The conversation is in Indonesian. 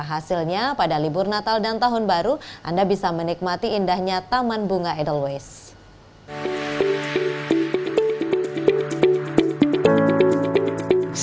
hasilnya pada libur natal dan tahun baru anda bisa menikmati indahnya taman bunga edelweiss